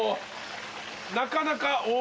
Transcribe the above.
なかなかお。